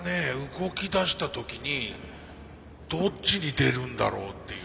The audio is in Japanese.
動きだした時にどっちに出るんだろうっていう。